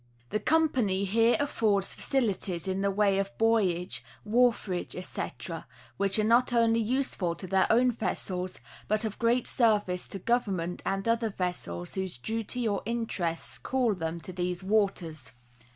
The company here affords facilities in the way of buoyage, wharfage, etc., which are not only useful to their own vessels but of great service to government and other vessels whose duty or interests call them to these waters.